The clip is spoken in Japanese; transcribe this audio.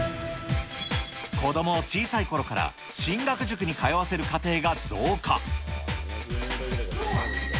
子どもを小さいころから進学塾に通わせる家庭が増加。